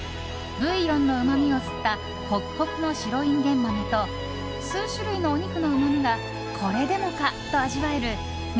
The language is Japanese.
ブイヨンのうまみを吸ったホクホクの白インゲン豆と数種類のお肉のうまみがこれでもかと味わえる南